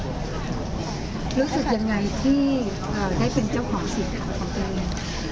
รู้สึกยังไงที่ได้เป็นเจ้าของสินค้าของเรา